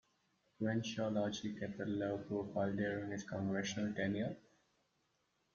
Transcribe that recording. Crenshaw largely kept a low profile during his congressional tenure.